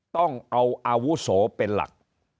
ต้องเอาอาวุโสเป็นหลัก